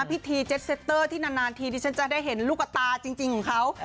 พิธีเจ็ดเซตเตอร์ที่นานทีดิฉันจะได้เห็นลูกตาจริงของเขา